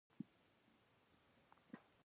تمنا د ناز او تاز و پرمختګ و